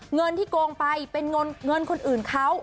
เงินที่โกงไปเป็นเงินคนอื่นเขา